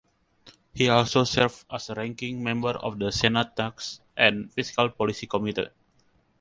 He also serves as ranking member of the Senate Tax and Fiscal Policy Committee.